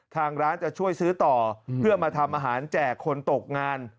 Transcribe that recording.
ทางร้านจะช่วยซื้อต่อเพื่อมาทำอาหารแจกคนตกงาน